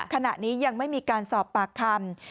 ขณะนี้ยังไม่มีการสอบปากคำ